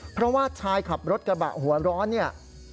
เพราะว่าชายขับรถกระบะหัวร้อนเนี่ย